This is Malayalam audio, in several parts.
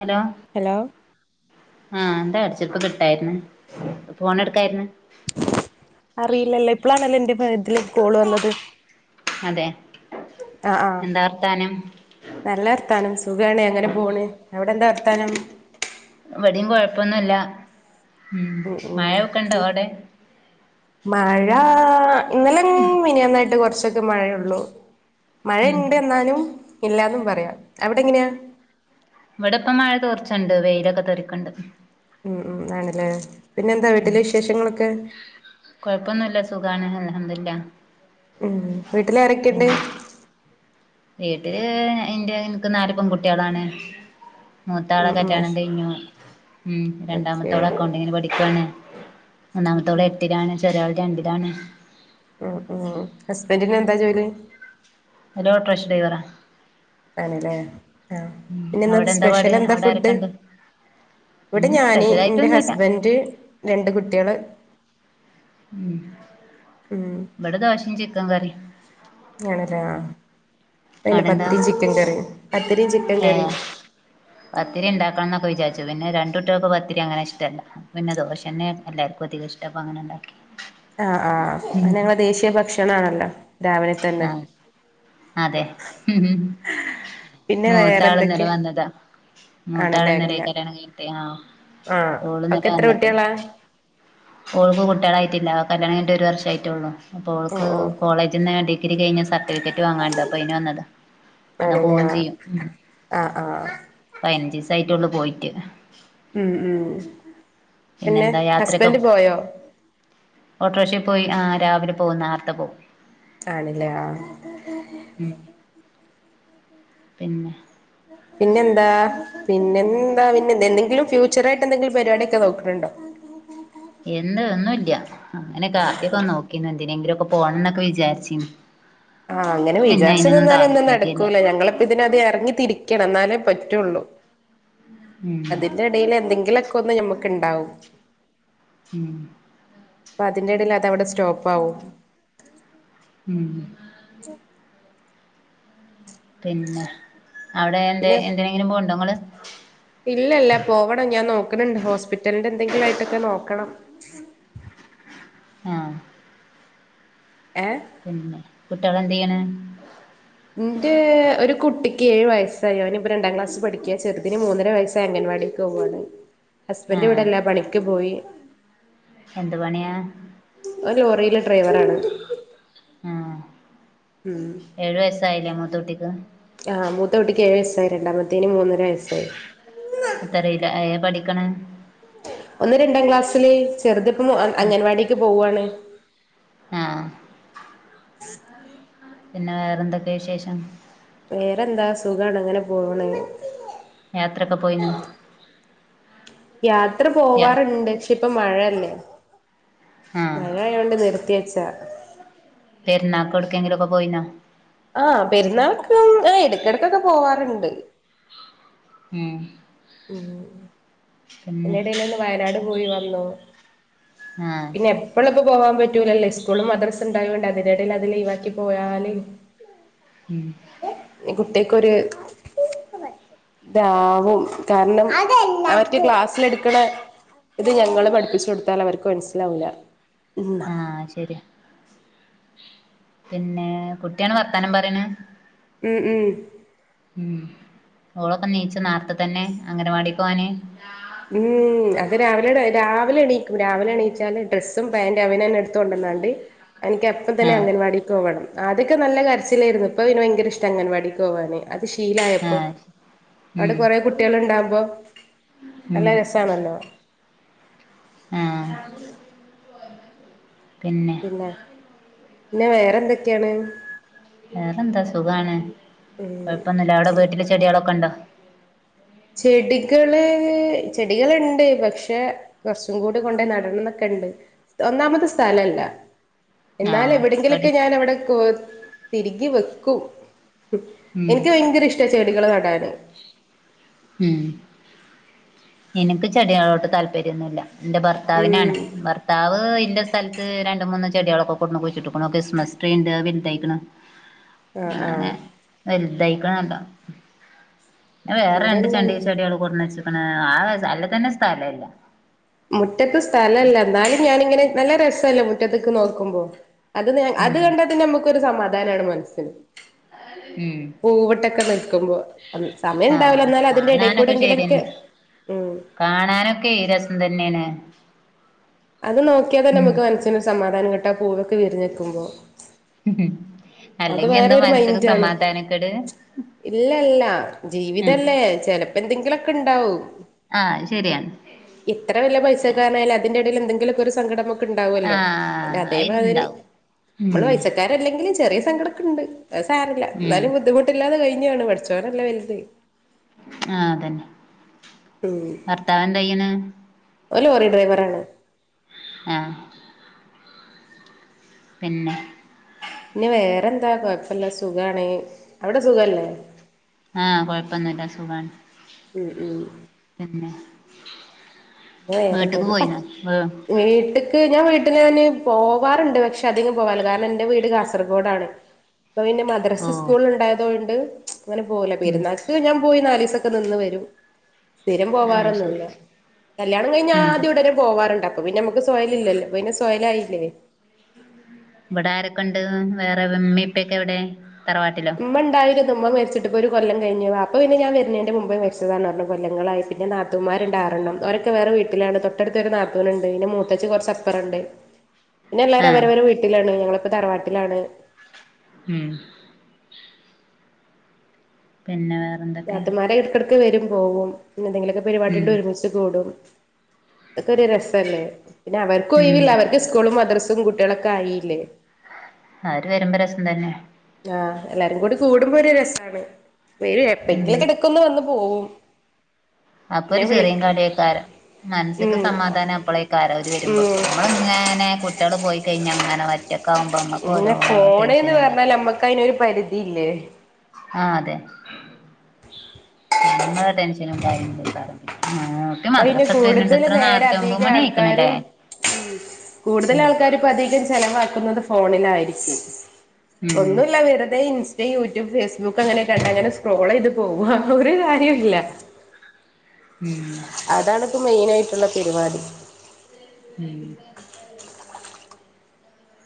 ഹലോ? ഹലോ? ആഹ് എന്താ അടച്ചപ്പ കിട്ടായിര്ന്നെ ഫോണ എടുക്കായിരുന്നെ. അറിയിലല്ലെ ഇപ്പോളാണല്ലോ എന്റ ഇതില് കോള് വന്നത്. അതെ. ആഹ്, ആഹ് എന്താ വർത്താനം നല്ലർത്താനം സുഖാണ് അങ്ങനെ പോണ് അവിടെന്താ വർത്താനം ഇവടിം കൊഴപ്പൊന്നുല്ല ഉം മഴ ക്കൊണ്ട അവിടെ? മഴ ഇന്നലിം മിനിയാന്നായിട്ട് കൊറച്ചൊക്കെ മഴയുള്ളൂ ഉം മഴണ്ട് ഇന്നാലും ഇല്ലന്നും പറയാം. അവിടെങ്ങനെയാ ഇവിടെ ഇപ്പ മഴ തീർച്ചണ്ട് വെയിലൊക്കെ തെറിക്കണ്ട് ഉം ഉം ആണല്ലേ പിന്നെന്താ ഉം വീട്ടില് വിശേഷങ്ങളൊക്കെ? കൊഴപ്പൊന്നുല്ല സുഖാണ് അൽഹംദില്ല ഉം വീട്ടിലാരൊക്കെണ്ട് വീട്ടില് ഇന്റെ ഇൻക്ക് നാല് പെൺകുട്ടികളാണ് മൂത്ത ആളെ ഉം ഉം കല്യാണം കഴഞ്ഞു ഉം ഓക്കെ രണ്ടാമത്തോള അക്കൗണ്ടിങ്ങിന് പഠിക്കാണ് മുന്നാമത്തോള് എട്ടിലാണ് ചെറിയോള് രണ്ടിലാണ് ഉം ഉം ഹസ്ബന്റിന് എന്താ ജോലി ഓല് ഓട്ടോറിക്ഷ ഡ്രവറാ ആണല്ലേ ആഹ് പിന്നെ അവിടെ ഇന്ന് പാട് സ്പെഷ്യൽ എന്താ അവിടെ ഫുഡ് ആരൊക്കെണ്ട് ഇവിടെ ഇന്ന് ഞാന് എന്റെ സ്പെഷ്യലായിട്ടൊന്നുല്ല ഹസ്ബന്റ് രണ്ട് കുട്ട്യാള് ഉം ഉം ഇവടെ ദോശയും ചിക്കൻ കറിയും ആണല്ലേ ആഹ് പിന്നെ അവിടെന്താ പത്തിരിയും ചിക്കൻ കറിം പത്തിരി ചിക്കൻ ഏ കറിം പത്തിരി ഉണ്ടാക്കണം എന്നൊക്കെ വിചാരിച്ചു പിന്നെ രണ്ടുകുട്ടികൾക്കെ പത്തിരി അങ്ങനെ ഇഷ്ടല്ല പിന്നെ ദോശ ന്നെ എല്ലാർക്കും അധികം ഇഷ്ട അപ്പ അങ്ങനെ ഉണ്ടാക്കി ആഹ് ആഹ് ഞങ്ങളെ ദേശീയ ഭക്ഷണ ആണല്ലോ രാവിലെ തന്നെ തെ പിന്നെ മൂത്താള് വേറെന്തൊക്കെ ഇന്നലെ വന്നതാ മൂത്താള് ആണല്ലേ ഇന്നലെ കല്യാ കല്യാണം ക്കഴിഞ്ഞിട്ട് ആഹ് ആഹ് ഓള് അവക്ക് ഇന്നലെ എത്ര വന്ന്ക്ക്ണു കുട്ടികളാ അവഓൾക്ക് കുട്ടികളായിട്ടില്ല കല്യാണം കഴിഞ്ഞിട്ട് ഒരു വർഷ ആയിട്ടുള്ളു അപ്പോ ഓൾക്ക് ഓഹ് ഓഹ് കോളേജിൽ നിന്ന് വേണ്ടി ഡിഗ്രി കഴിഞ്ഞ സർട്ടിഫിക്കറ്റ് വാങ്ങാണ്ട് അപ്പൊ അയ്ൻ വന്നത ഇന്ന് ആണല്ലേ പോവും ചെയ്യും ഉം ആഹ് ആഹ് പതിനഞ്ച് ദിവസായിട്ട് ഒള്ളു പോയിട്ട് ഉം ഉം പിന്നെ പിന്നെന്താ യാത്രയൊക്കെ ഹസ്ബന്റ് പോയോ ഓട്ടോറിക്ഷയിൽ പോയി ആഹ് രാവിലെ പോവും നേരത്തെ പോവും ആണ് ല്ലേ ആഹ് ഉം പിന്നെ പിന്നെ എന്താ പിന്നെ എന്താ പിന്നെ എന്ത എന്തെങ്കിലും ഫ്യൂച്ചറായിട്ട് എന്തെങ്കിലും പരിപാടിക്കെ നോക്കണുണ്ടോ എന്താ ഒന്നുല്ല അങ്ങനെ ആദ്യക്കെ നോക്കിന്ന് എന്തിനെങ്കിലും ഒക്കെ പോണം എന്നൊക്കെ വിചാരിച്ചിന്ന് ആഹ് അങ്ങനെ വിചാരിച്ച നിന്നാലും ഒന്നും താല്പര്യല്ല നടക്കൂല്ല ഞങ്ങളിപ്പ ഇതിനത് ഇറങ്ങി തിരിക്കണം എന്നാലേ പറ്റുള്ളൂ ഉം അയ്ന്റെ ഇടയിൽ എന്തെിലൊക്കെ ഒന്ന് നമുക്ക്ണ്ടാവും ഉം അപ്പ അതിന്റെ ഇടയിൽ അത് അവിടെ സ്റ്റോപ്പാകും ഉം പിന്നെ അവിടെ എന്ത പിന്നെ എന്ത്‌നെങ്കിലും പോണ്ടോ നിങ്ങള് ഇല്ലല്ല പോകണം ഞാൻ നോക്കണണ്ട് ഹോസ്പിറ്റലിന്റെ എന്തെങ്കിലും ആയിട്ടൊക്കെ നോക്കണം ആഹ് ഏഹ് പിന്നെ കുട്ട്യാൾ എന്ത ചെയ്യണെ ഇന്റെ ഒരു കുട്ടിക്ക് ഏഴ് വയസ്സായ അവനി ഇപ്പ രണ്ടാം ക്ലാസ് പഠിക്ക ചെറുതിന് മൂന്നര വയസ്സായ അംഗൻവാടി പോവാണ് ആ ഹസ്ബന്റ് ഇവിടെല്ല പണിക്ക് പോയി എന്ത് പണിയാ ഓല് ലോറിയിലെ ഡ്രൈവറാണ് ആഹ ഏഴു വയസായില്ലേ മൂത്ത കുട്ടിക്ക് ആഹ മൂത്തകുട്ടി ക്ക് ഏഴ്വയസായി രാണ്ട മത്തേന് മൂന്നര വസ്സായി എത്രറിയില്ല ഏ പഠിക്കണ ഒന്ന് രണ്ടാം ക്ലാസ്സില് ചെറുത് ഇപ്പം അംഗൻവാടിക്ക് പോവാണ് ആ ഉ പിന്നെ വേറെ എന്തൊക്കെയ വിശേഷം വേറെന്താ സുഖാണ് അങ്ങനെ പോണ് യാത്രൊക്കെ പോയിനോ യാത്ര യാ പോവാറുണ്ട്, പക്ഷേ ഇപ്പൊ മഴയല്ലേ ആഹ് മഴയോണ്ട് നിർത്തി വച്ചാതാ പെരുനാൾക്ക് ഓട്ങ്കിലൊക്കെ പോയിന ആ പെരുന്നാൾക്കും ആ ഇടക്കിടക്കൊക്കെ പോവാറുണ്ട് ഉം [unintelligible] പിന്നെ എടേൽ ഒന്ന് വയനാട് പോയി വന്നു ആഹ് പിന്നെ ഇപ്പ ഇളളപ്പോ പോവാൻ പറ്റൂലല്ലേ, സ്കൂളും, മദ്രസ ഉണ്ടായോണ്ടേ അതിനിടയിൽ അത് ലീവാക്കി പോയാല് ഉം കുട്ടികൾക്കൊരു ഇതാവും കാരണം ക്ലാസ്സ്‌ൽ എടുക്കെണ ഇത് ഞങ്ങള് പഠിപ്പിച്ചു കൊടുത്താൽ അവർക്ക് മനസ്സിലാവില്ല ആഹ ശരി പിന്നെ കുട്ടിയാണ് വർത്താനം പറയ്ന്നെ ഉം, ഉം ഉം ഓളൊക്കെ എണീച്ച് നാർത്ത തന്നെ അംഗനവാടി പോവാന് ഉം, അത് രാവിലെ രാവിലെ എണീക്കും രാവിലെ എണീച്ചാല് ഡ്രസ്സും പാൻറ് അവന് എടുത്തു കൊണ്ടന്നണ്ട് എനിക്ക അപ്പം തന്നെ ആഹ് അംഗൻവാടി പോകണം, ആദ്യ ഒക്കെ നല്ല കരച്ചിലായിരുന്നു, ഇപ്പൾ ഇവന് ഭയങ്കര ഇഷ്ട അംഗൻവാടിക്ക് പോവാന്. അത് ശീലയപ്പോ, ആഹ് അവിടെ ഉം കൊറേ കുട്ടികൾ ഉണ്ടാകുമ്പോ നല്ല ഉം രസണല്ലോ ആ പിന്നെ പിന്നെ വേറെന്തൊക്കെയാണ് വേറെന്താ സുഖാണ്, കുഴപ്പൊന്നുമില്ല അവിടെ വീട്ടില് ചെടികളൊക്കെ ഉണ്ടോ ചെടികള്, ചെടികളുണ്ട് പക്ഷെ കുറച്ചും കൂടി കൊണ്ടേ നടണം എന്നൊക്കെ ഉണ്ട്, ഒന്നാമത് സ്ഥലം, ഇല്ല എന്നാൽ ആഹ് പടി എവിടെങ്കിലൊക്കെ ഞാൻ അവിടെ തിരികി വെക്കും ഉം എനിക്ക് ഭയങ്കര ഇഷ്ട ചെടികൾ നടാന് ഉം എനിക്ക് ചെടികളോട് താല്പര്യം, ഒന്നുമില്ല എന്റെ ഉം ഭർത്താവിനാണ്. ഭർത്താവ് ഇന്റെ സ്ഥലത്ത് രണ്ടു മൂന്ന് ചെടികളൊക്കെ കൊണ്ട് കുഴിച്ചിട്ടുക്ക്‌ ണു ക്രിസ്മസ് ട്രീ ഉണ്ട് വലുതക്കണ് ആഹ് അങ്ങനെ ആഹ് വലുതായിക്കണല്ലോ വേറെ രണ്ട് ഇവിടെന്നെ ചണ്ടി ചെടി, ചെടികള് കൂടെന്ന് വെച്ചക്കണ് ആ അല്ല തന്നെ സ്ഥലല്ല മുറ്റത്ത് സ്ഥല ഇല്ല, എന്നാലും ഞാനിങ്ങനെ നല്ല രസല്ലോ മുറ്റത്തക്ക് നോക്കുമ്പോ. അത് അത് ഉം കണ്ടാത്തന്നെ നമ്മുക്കൊരു സമാധാനമാണ് മനസ്സിന് അ [unintelligible] പൂവിട്ടൊക്കെ നിൽക്കുമ്പോ, സമയം ഉണ്ടാവില്ലോ ആഹ് എന്നാലും അതിന്റെ കാണാനൊക്കെ ഇടക്കൂടെങ്കിലും ഒക്കെ ശരിയന്നെ ഉം കാണാനൊക്കെ ഏ രസം തന്നെയാണ് അത് നോക്കിയാ തന്നെ ഉം നമുക്ക് മനസിന് ഒരു സമാധാനം കിട്ടും പൂവൊക്കെ വിരിഞ്ഞ് നീക്കുമ്പോ അല്ലെങ്കി എന്നു വേറൊരു മനസ്സിക് മൈൻഡാണ് സമാധാനക്കെട് ഇല്ല ല്ലജീവിതല്ലേ ചെലപ്പ എന്തെങ്കിലൊക്കെ ഇണ്ടാവും ആഹ് ശെര്യാണ് ഇത്ര വല്ല പൈസക്കാരന് ആയലും അതിന്റെ എടേല് എന്തെങ്കിലൊക്കെ ഒരു സങ്കടം ക്ക്ണ്ടാവൊല്ലോ ആഹ് അതേ മാതിരി അയിലുണ്ടാവും അമ്മള് ഉം പൈസ അല്ലെങ്കില് ചെറിയ സങ്കടൊക്കെണ്ട് അത്‌ സാരല്ല ഉം ഇന്നാലും ബുദ്ധിമുട്ടില്ലാതെ കഴിഞ്ഞു പോണ് പഠി ചോനെല്ലെ വൽത്. ആഹ് അതന്നെ ഉം ഭർത്താവ് എന്ത് യ്ണ് ഓല് ഓറി ഡ്രൈവറാണ്. ആഹ്. പിന്നെ. പിന്നെ വേറെന്താ കൊയപ്പല്ല സുഖാണ്. ഔടെ സുഖല്ലേ.. ആഹ് കൊഴപ്പൊന്നുല്ല. സുഖാണ്. ഉം ഉം പിന്നെ. വീട്ട്ക്ക് വേറെന്തന്. പച്. പോയിന്നോ വീട്ട്ക്. ഞാൻ വീട്ടി ഞാന് പോവാറ്ണ്ട്. പക്ഷേ. അധികം പോവാറില്ല. കാര്ണം എൻറെ വീട് കാസർഗോഡാണ്. ഇപ്പ പിന്നെ ഓ മദ്രസ് സ്കൂള് ഇണ്ടായതോണ്ട് ഇങ്ങനെ പോവുല. ഉം പെര്നാക്. ക് ഞാൻ പോയി നാലീസൊക്കെ നിന്ന് വരും. സ്ഥിരം അത് പോവാറൊന്ന്ല്ല. ശരി കല്യാണം കയിഞ്ഞ് ഉം ആദ്യം ഉടനെ പോവാറ്ണ്ട്. അപ്പൊ പിന്നെ നമുക്ക് സൊഹല് ഇല്ലല്ലോ. പിന്നെ സൊഹലായില്ലേ.. ഇവടെ ആരക്കെണ്ട് വേറെ വ് മ്മിപ്പെ ക്കെവിടെ. തറവാട്ടില. ഇമ്മണ്ടായിരുന്നു. ഇമ്മ മരിട്ട്പ്പ ഒരു കൊല്ലം കഴിഞ്ഞു. വാപ്പ പിന്നെ. ഞാൻ വെര്നേന്റെ. മുമ്പേ മരിച്ചതാണ് റ്ന്ന്. കൊല്ലങ്ങളായിട്ട് പിന്നെ നാത്തൂ. ത്തൂമാരുണ്ട്. ആറെണ്ണം. ഓരൊക്കെ വേറെ വീട്ടിലാണ് തൊട്ടടുത്തൊരു. നാത്തൂന്ണ്ട്. പിന്നെ മൂത്തച്ചി കൊ റച്ചപ്പറണ്ട്. ആ [inaudible] പിന്നെ എല്ലാരും അവരവരെ. വീട്ടിലാണ് ഞങ്ങളിപ്പ. തറവാട്ടിലാണ്. ഉം പിന്നെ വേറെന്ത. യാത്തുമാരെ. എട്കെടക്ക് വെരും. പോവും പിന്നെന്തെങ്കിലൊക്കെ. ഉം പരിപാടിണ്ട്. ഒരുമിച്ച് കൂടും. ഇതൊക്കെ ഒരു രസല്ലേ. പിന്നെ. അവർക്കും ഉം ഒയിവില്ല. അവർക്ക് സ്കൂളും മദ്രസും കുട്ട്യേളൊക്കെ. ആയില്ലേ. അവര് വെരുമ്പോ രസം തന്നെ. ആഹ് എല്ലാരും കൂടി കൂടുമ്പോ ഒരു രസാണ്. വേരു എപ്പെങ്കിലൊ ഉം ക്കെടക്കന്ന് വന്ന് പോവും. അപ്പൊ പിന്നെ ഒരു ച്ചിറിം വിളിക്കും കള്യെക്കാരം. മൻസ്സിക്ക് ഉം സമാധാന അപ്പളെക്കാരം ഓര് വരുമ്പോ. ഉം നമ്മള്. ങ്ങേനെ. കുട്ട്യേള് പോയി കഴിഞ്ഞ ഇങ്ങനെ ഒറ്റൊക്കവുമ്പോ നമ്മക്ക് ഓരോ ടെൻഷനും [unintelligible] ക്കയിനൊരു പരിധില്ലേ. ആഹ് തെ. നമ്മളെ ടെൻഷനും കാര്യങ്ങളക്കാരം പിന്നെ ആഹ്. ഇപ്പയിന് കൂടുതല് നേരം അധിക ആൾക്കാരും ആയിക്കണല്ലേ ഉം കൂടുതല് ഉം ആൾക്കാരും. ഇപ്പ അധികം ചെലവാക്കുന്നതു ഫോണിലായിരിക്കും. ഉം ഒന്നുല്ല വെറുതെ ഇൻസ്‌. യൂട്യൂബ് ഫേസ്ബുക്ക് അങ്ങനെയൊക്കെ കണ്ട് അങ്ങനെ സക്രോളെയ്ത് പോവ. ഒരു കാര്യാെ ഇല്ല. ഉം അതാണ്പ്പം മെയിനായിട്ടുള്ള പെരുവാടി. ഉം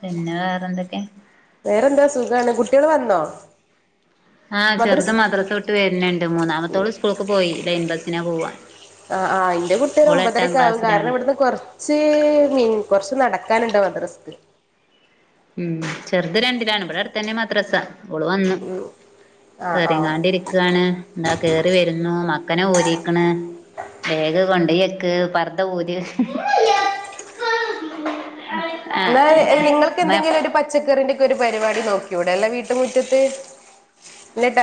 പിന്നെ വേറെന്തെക്കെ. വേറെന്താ സുഖാണ് കുട്ട്യേൾ വന്നോ. ആഹ് ചെറുത് മദ്രസ് വിട്ട് വെര്ന് ണ്ട്. മൂന്നാമത്തോള് സ്കൂൾക്ക് പോയി. ലൈൻ ബസ്സിന പോവ. ആഹ് ആ ഇന്റെ കുട്ടി ഒരു ഒമ്പതരക്കാവു. കാരണം ഇവിട്ന്ന് കൊ. ച്ച് മിൻ കൊറ്ച്ച് നടക്കാനുണ്ട് മദ്രസ്ക്. ഉം. ചെർത് രണ്ടിലാണ്. ഇബ്ടെ അടുത്തന്നെ മദ്രസ. ഓള് വന്നു. ആ ആ കേറികാണ്ട് ഇരിക്കാണ്. ഇത കേറി വെരുന്നു മ. എന്തിനാ ഊരിക്കണേ ബാഗ് വെ - കൊണ്ടോയി വെക്ക് പർദ്ദ ഊര് എന്നാല് നിങ്ങൾക്ക് എന്തെങ്കിലും ഒരു പച്ചക്കറിന്റെക്കെ. ഒരു പരിപാടി നോക്കിക്കൂടെ അല്ലേ വീട്ട് മുറ്റത്ത്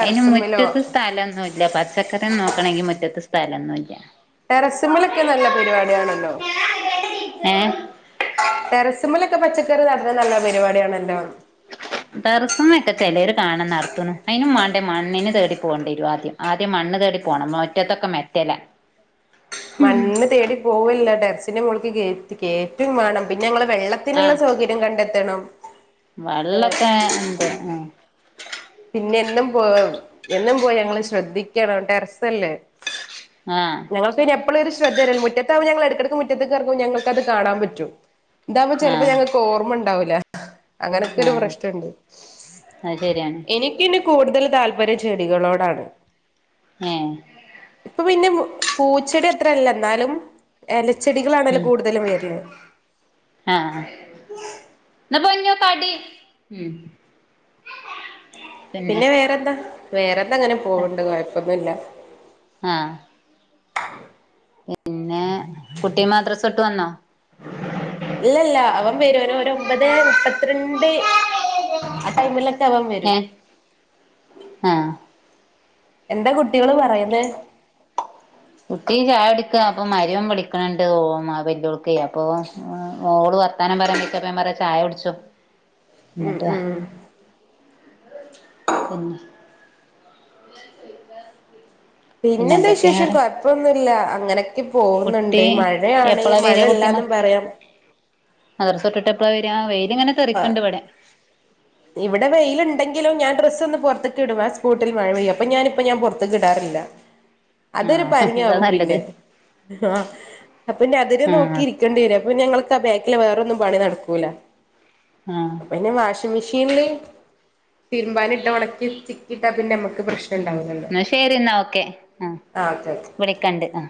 അയിന് മുറ്റത്ത് സ്ഥലം ഒന്നുയില്ല പച്ചക്കറി നോക്കണെങ്കി മുറ്റത്ത് സ്ഥലം ഒന്നുയില്ല ടെറസിമിലൊക്കെ നല്ല പരിപാടിയണല്ലോ. ഏഹ് ടെറസുമ്മലൊക്കെ പച്ചക്കറിനടുന്നെ നല്ല പരിപാടിയാണല്ലോ. ടെറസുമേലൊക്കെ ചെലോര് കാണാ നടത്തിണേ അയിനും മാണ്ടേ മണ്ണിന് തേടി പോണ്ടിവരും ആദ്യം ആദ്യം മണ്ണ് തേടി പോണം മുറ്റതൊക്കെ മെറ്റില മണ്ണ് തേടി പോവല്ല ടെറസിന്റെ മോള്ക്ക് കേറ്റു കേറ്റുംവേണം പിന്നെ നിങ്ങള് വെള്ളത്തിനുള്ള സൗക കണ്ടെത്തണം വെള്ളൊക്കെണ്ട് പിന്നെ എന്നും പോയി എന്നും പോയി ഞങ്ങള് ശ്രദ്ധിക്കണം ടെറസല്ലേ ആഹ് ഞങ്ങൾക്ക് പിന്നെ എപ്പോഴും ഒരു ശ്രദ്ധയല്ല മുറ്റത്താവും ഞങ്ങ എടക്കെടക്ക് മുറ്റത്തേറക്കും ഞങ്ങക്ക്ത് കാണാൻ പറ്റും ഇതാവുമ്പോ ചെലപ്പോ ആഹ് ഞങ്ങൾക്ക് ഓർമ്മ ഉണ്ടാവില്ല അങ്ങനൊക്കെ ഒരു ആഹ് പ്രശ്നുണ്ട് അത് ശരിയാണ് എനി- എനിക്കെനി കൂടുതൽ താല്പര്യം ചെടികളോടാണ് ഏഹ് ഇപ്പൊ പിന്നെ പൂച്ചെടി അത്രയില്ല എന്നാലും- ഇലച്ചെടികളാണല്ലോ ഉം കൂടുതലും വരുന്നത് ആഹ് ആഹ് ഇന്നാ പോന്നു കടി ഉം പിന്നെ വേറെന്താ വേറെന്താ അങ്ങനെ പോവണ്ട് കൊഴപ്പൊന്നുമല്ല ആഹ് പിന്നെ കുട്ടി മദ്രസ വിട്ട് വന്നോ ഇല്ലയില്ല അവൻ വരും ഒരു ഒരു ഒമ്പത് മുപ്പത്തിരണ്ട് ആ ടൈമില- ഏഹ് ആഹ് എന്താ കുട്ടികള് പറയുന്നേ കുട്ടി ചായ കുടിക്കുവാ അപ്പൊ മരുമോൻ വിളിക്കണണ്ട് ഓ വെല്ലിയോൾക്കേ അപ്പൊ ഓള് വർ- വർത്താനം പറഞ്ഞു നിക്ക അപ്പൊ ഞാൻ പറയാ ചായ കുടിച്ചോ ഉം ഇങ്ങോട്ട് വാ ഉം പിന്നെ പിന്നെ പിന്നെന്താ എന്തൊക്കെയാ വിശേഷം വേറെ കൊഴപ്പൊന്നുമില്ല അങ്ങനെ- പോകുന്നുണ്ട് കുട്ടി മഴയാണ് മഴ ഇല്ലാന്നും പറയാം മദ്രസ്സ് വിട്ടിട്ട് എപ്പളാ വര്യാ വെയിൽ ഇങ്ങനെ ആ തെറിക്കണ്ട് ഇവ്ടെ ഇവിടെ വെയിലുണ്ടെങ്കിലും ഞാൻ ഡ്രസ് ഒന്ന് പുറത്തക്ക് ഇടും ആ സ്പൊട്ടിൽ മഴ പെയ്യും അപ്പ ഞാനിപ്പ പുറത്തെക്ക് ഇടാറില്ല [inaudible] അതൊരു ആഹ് പണി അതാ ആവും നല്ലത് പിന്നെ ആ അപ്പൊ പിന്നെ ആഹ് അതിനെനോക്കിയിരിക്ക- ഇരിക്കേണ്ടി വരും അപ്പൊ ഞങ്ങൾക്ക് ആ ബാക്കില് വേറൊന്നും പണി നടക്കൂല ആഹ് അപ്പൊ പിന്നെ വാഷിംഗ് മെഷീനില് തിരുമ്പാനിട്ട ഉണക്കി ചിക്കിയിട്ടാ പിന്നെ നമ്മുക്ക് പ്രശ്നയില്ല ഉം എന്നാ ശരി എന്നാ ഓക്കെ ആ ആഹ് ഓക്കെ ഓക്കെ വിളിക്കണ്ട് ആ